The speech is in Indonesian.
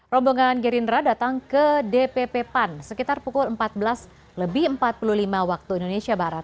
rombongan gerindra datang ke dpp pan sekitar pukul empat belas empat puluh lima wib